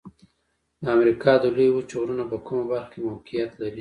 د امریکا د لویې وچې غرونه په کومه برخه کې موقعیت لري؟